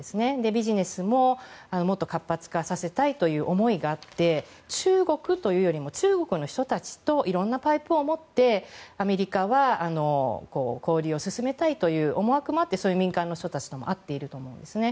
ビジネスももっと活発化させたいという思いがあって中国というよりも中国の人たちといろいろなパイプを持ってアメリカは交流を進めたいという思惑もあってそういう民間の人たちも会っていると思うんですね。